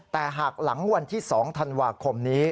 แต่หากหลังวันที่๒ธันวาคมนี้